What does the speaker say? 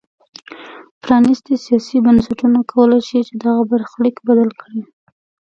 پرانیستي سیاسي بنسټونه کولای شي چې دغه برخلیک بدل کړي.